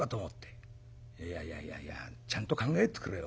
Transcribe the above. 「いやいやいやいやちゃんと考えてくれよ。